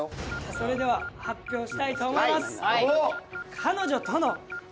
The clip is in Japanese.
それでは発表したいと思います。